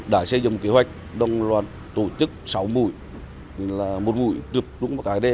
đã xây dựng kế hoạch đồng loạt tổ chức sáu mũi một mũi tập trung vào cái đề